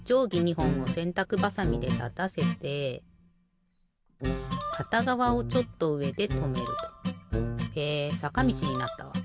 ほんをせんたくばさみでたたせてかたがわをちょっとうえでとめると。へえさかみちになったわ。